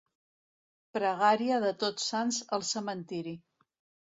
Pregària de Tots Sants al cementiri.